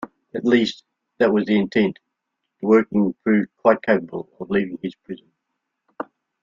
At least, that was the intent; Dworkin proved quite capable of leaving his prison.